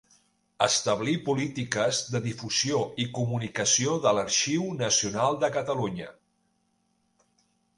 Establir polítiques de difusió i comunicació de l'Arxiu Nacional de Catalunya.